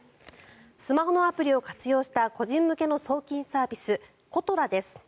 スマホのアプリを活用した個人向けの送金サービスことらです。